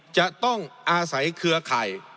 จะต้องอาศัยเครือข่าย